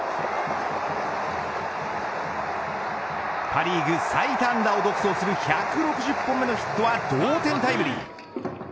パ・リーグ最多安打を独走する１６０本目のヒットは同点タイムリー。